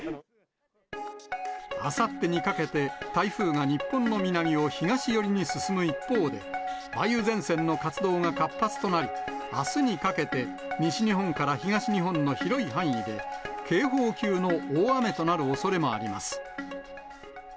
あさってにかけて台風が日本の南を東寄りに進む一方で、梅雨前線の活動が活発となり、あすにかけて西日本から東日本の広い範囲で、警報級の大雨となるおそれもあります。